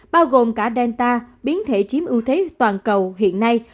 bao gồm cả delta biến thể chiếm ưu thế toàn cầu hiện nay